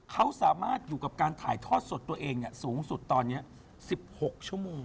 เขาสามารถอยู่กับการถ่ายทอดสดตัวเองสูงสุดตอนนี้๑๖ชั่วโมง